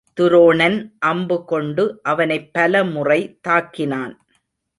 துரோணன் அம்பு கொண்டு அவனைப் பலமுறை தாக்கினான்.